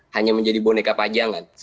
hanya menjadi boneka pajangan